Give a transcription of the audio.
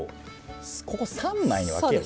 ここ３枚に分ける。